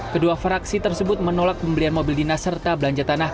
kedua fraksi tersebut menolak pembelian mobil dinas serta belanja tanah